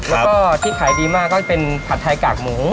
แล้วก็ที่ขายดีมากก็จะเป็นผัดไทยกากหมู